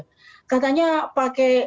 katanya pakai ganjil genap mana itu